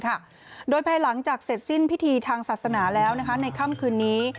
โดยภายหลังจากเสร็จสิ้นพิธีทางศาสนาแล้วในค่ำคืนนี้